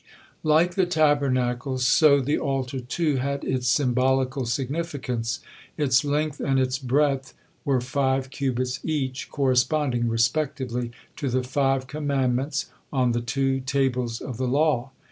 Like the Tabernacle, so the altar, too had its symbolical significance. Its length and its breadth were five cubits each, corresponding respectively to the five Commandments on the two tables of the law.